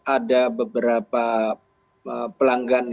ada beberapa pelanggan